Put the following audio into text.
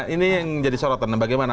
ini yang jadi sorotan dan bagaimana